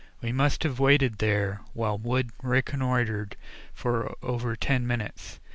We must have waited there, while Wood reconnoitred, for over ten minutes.